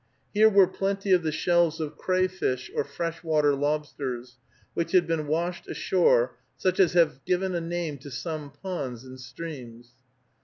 Here were plenty of the shells of crayfish, or fresh water lobsters, which had been washed ashore, such as have given a name to some ponds and streams.